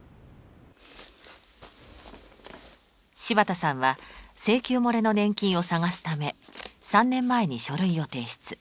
柴田さんは請求もれの年金を探すため３年前に書類を提出。